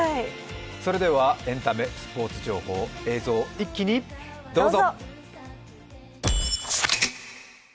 エンタメ、スポーツ情報、映像、一気にどうぞ！